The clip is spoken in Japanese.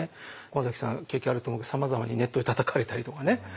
駒崎さん経験あると思うけどさまざまにネットでたたかれたりとかね。